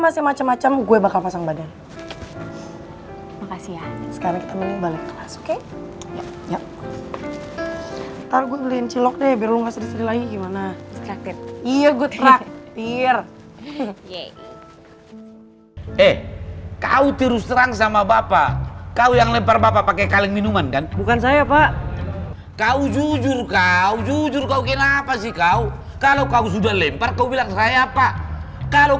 sampai jumpa di video selanjutnya